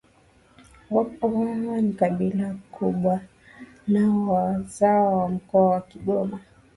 Waha ni kabila kubwa na wazawa wa mkoa wa kigoma